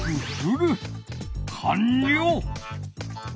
かんりょう！